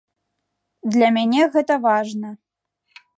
Для мяне гэта важна.